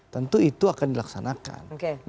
tentu itu akan dilaksanakan